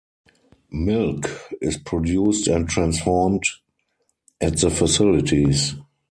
Milk is produced and transformed at the facilities.